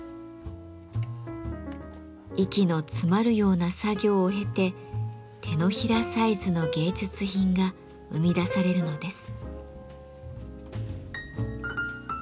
息の詰まるような作業を経て手のひらサイズの芸術品が生み出されるのです。